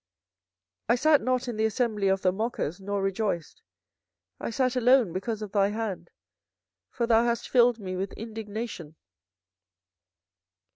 24:015:017 I sat not in the assembly of the mockers, nor rejoiced; I sat alone because of thy hand: for thou hast filled me with indignation.